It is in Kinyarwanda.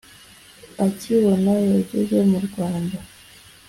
akibona yageze mu Rwanda